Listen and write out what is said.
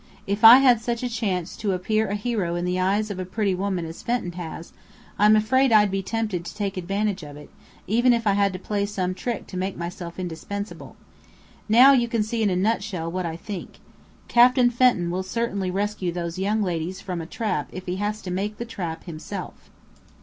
If I had such a chance to appear a hero in the eyes of a pretty woman as Fenton has, I'm afraid I'd be tempted to take advantage of it, even if I had to play some trick to make myself indispensable. Now you see in a nutshell what I think. Captain Fenton will certainly rescue those young ladies from a trap if he has to make the trap himself."